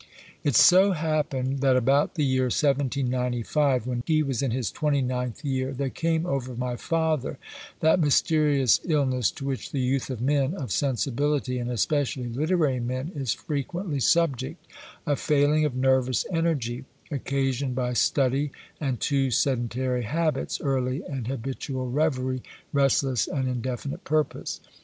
It so happened, that about the year 1795, when he was in his 29th year there came over my father that mysterious illness to which the youth of men of sensibility, and especially literary men, is frequently subject a failing of nervous energy, occasioned by study and too sedentary habits, early and habitual reverie, restless and indefinite purpose.